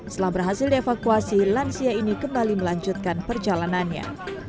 setelah berhasil dievakuasi lansia ini kembali melanjutkan perjalanannya